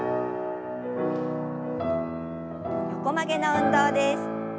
横曲げの運動です。